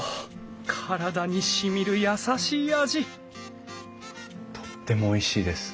体にしみる優しい味とってもおいしいです。